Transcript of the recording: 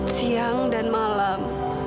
siang dan malam